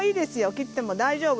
切っても大丈夫。